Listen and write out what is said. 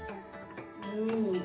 うん。